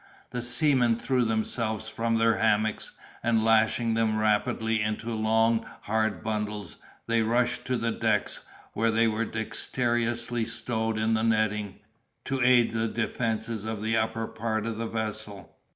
The seamen threw themselves from their hammocks, and lashing them rapidly into long, hard bundles, they rushed to the decks, where they were dexterously stowed in the netting, to aid the defences of the upper part of the vessel.